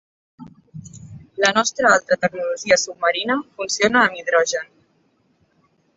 La nostra altra tecnologia submarina funciona amb hidrogen.